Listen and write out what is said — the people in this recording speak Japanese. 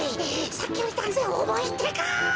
さっきよりだんぜんおもいってか。